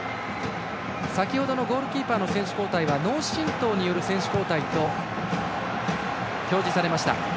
先程のゴールキーパーの選手交代は脳震とうによる選手交代と表示されました。